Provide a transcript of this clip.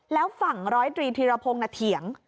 แล้วฝั่งร้อยตรีธีรพงศ์เถียง